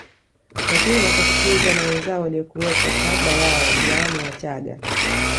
Lakini wakafukuzwa na wenzao waliokuwepo kabla yao yaani Wachaga